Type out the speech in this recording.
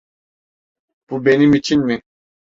Bu benim için mi?